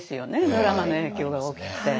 ドラマの影響が大きくて。